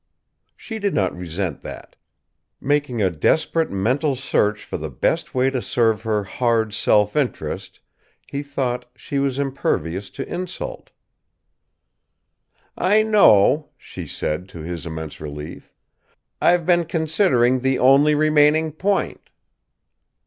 She did not resent that. Making a desperate mental search for the best way to serve her hard self interest, he thought, she was impervious to insult. "I know," she said, to his immense relief. "I've been considering the only remaining point."